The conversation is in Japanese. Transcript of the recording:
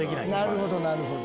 なるほどなるほど。